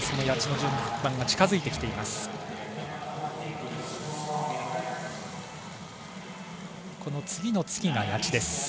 谷地の順番が近づいてきています。